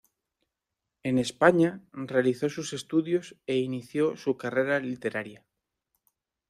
En España realizó sus estudios e inició su carrera literaria.